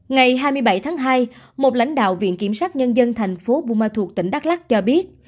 ngày hai mươi bảy tháng hai một lãnh đạo viện kiểm sát nhân dân thành phố buma thuộc tỉnh đắk lắc cho biết